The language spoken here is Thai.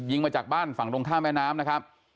มาจากบ้านฝั่งตรงข้ามแม่น้ำนะครับ